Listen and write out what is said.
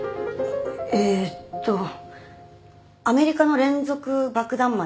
えーっとアメリカの連続爆弾